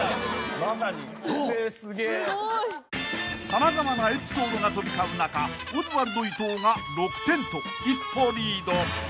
［様々なエピソードが飛び交う中オズワルド伊藤が６点と一歩リード］